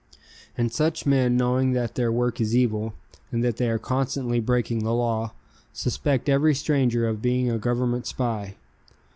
And such men, knowing that their work is evil, and that they are constantly breaking the law, suspect every stranger of being a Government spy.